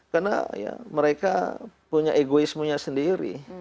karena ya mereka punya egoismenya sendiri